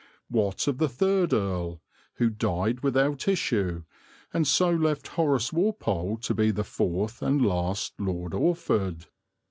What of the third earl, who died without issue, and so left Horace Walpole to be the fourth and last Lord Orford?